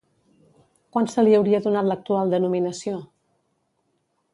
Quan se li hauria donat l'actual denominació?